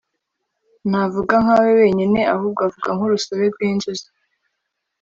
ntavuga nka we wenyine ahubwo avuga nk'urusobe rw'inzuzi